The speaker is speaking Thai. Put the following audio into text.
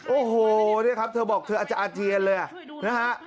โอ้โหเนี่ยครับเธอบอกเธออาจจะอาเจียนเลยนะฮะ